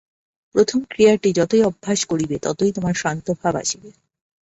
প্রথম ক্রিয়াটি যতই অভ্যাস করিবে, ততই তোমার শান্তভাব আসিবে।